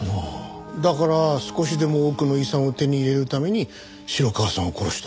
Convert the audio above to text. だから少しでも多くの遺産を手に入れるために城川さんを殺した。